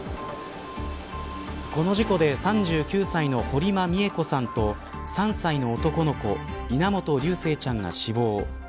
この事故で３９歳の堀間美恵子さんと３歳の男の子稲本琉正ちゃんが死亡。